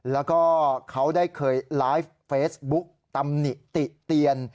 แล้วก็เขาได้เคยไลฟ์เฟซบุ๊กตำหนิติเตียน